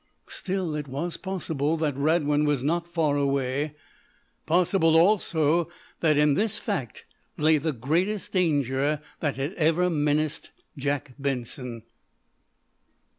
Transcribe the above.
Still, it was possible that Radwin was not far away. Possible, also, that in this fact lay time greatest danger that had ever menaced Jack Benson.